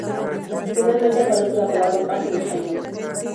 Finalmente aparece la palabra Paz en español.